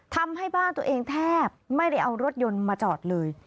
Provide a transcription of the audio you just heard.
ทำให้บ้านตัวเองแทบไม่ได้เอารถยนต์มาจอดเลย